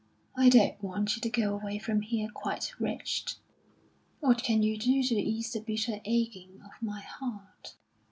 "I don't want you to go away from here quite wretched." "What can you do to ease the bitter aching of my heart?"